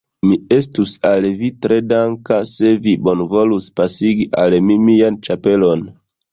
Mi estus al vi tre danka, se vi bonvolus pasigi al mi mian ĉapelon.